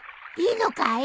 いいのかい？